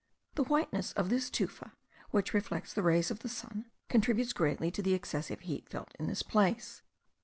The whiteness of this tufa, which reflects the rays of the sun, contributes greatly to the excessive heat felt in this place.